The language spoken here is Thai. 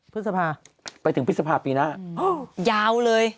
พฤษภาไปถึงพฤษภาปีหน้ายาวเลย